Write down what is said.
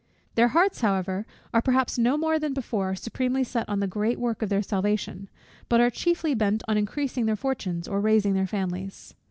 Their hearts, however, are perhaps no more than before supremely set on the great work of their salvation, but are chiefly bent on increasing their fortunes, or raising their families.